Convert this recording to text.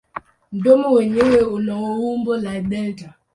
Mdomo wenyewe una umbo la delta.